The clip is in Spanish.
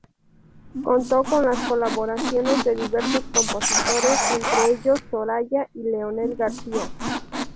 Contó con las colaboraciones de diversos compositores, entre ellos Soraya y Leonel García.